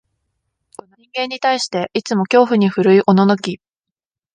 人間に対して、いつも恐怖に震いおののき、